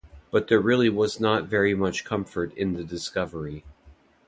But there really was not very much comfort in the discovery.